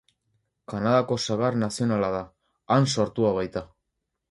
Kanadako sagar nazionala da, han sortua baita.